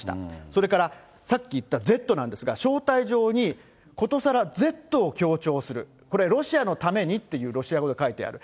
それからさっき言ったＺなんですが、招待状に、ことさらＺを強調する、これ、ロシアのためにっていう、ロシア語で書いてある。